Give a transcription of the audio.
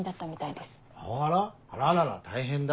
あららら大変だ。